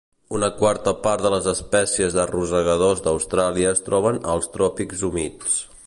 Una quarta part de les espècies de rosegadors d'Austràlia es troben als tròpics humits.